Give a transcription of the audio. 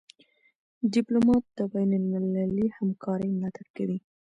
ډيپلومات د بینالمللي همکارۍ ملاتړ کوي.